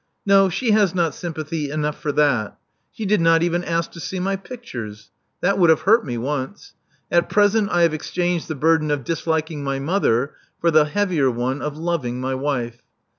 No, she has not sympathy enough for that. She did not even ask to see my pictures. That would have hurt me once. At present I have exchanged the burden of disliking my mother for the heavier one of loving my wife."